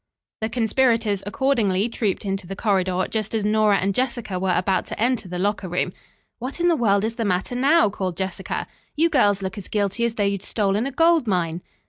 The conspirators accordingly trooped into the corridor, just as Nora and Jessica were about to enter the locker room. "What in the world is the matter now?" called Jessica. "You girls looks as guilty as though you'd stolen a gold mine."